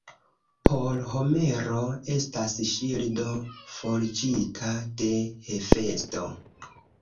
Por Homero, estas ŝildo forĝita de Hefesto.